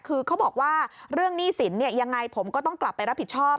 คือเขาบอกว่าเรื่องหนี้สินยังไงผมก็ต้องกลับไปรับผิดชอบ